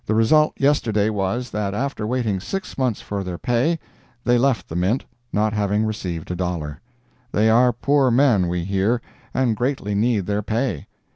The result yesterday was, that after waiting six months for their pay, they left the Mint, not having received a dollar. They are poor men, we hear, and greatly need their pay.